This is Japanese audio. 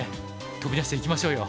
飛び出していきましょうよ。